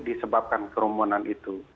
disebabkan kerumunan itu